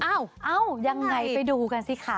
เอ้ายังไงไปดูกันสิคะ